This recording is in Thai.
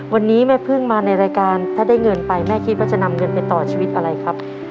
วันนี้แม่พึ่งมาในรายการถ้าได้เงินไปแม่คิดว่าจะนำเงินไปต่อชีวิตอะไรครับ